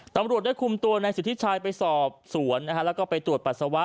ตำรวจได้คุมตัวในสิทธิชัยไปสอบสวนนะฮะแล้วก็ไปตรวจปัสสาวะ